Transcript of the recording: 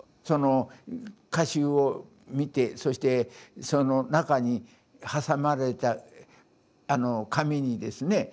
その歌集を見てそしてその中に挟まれた紙にですね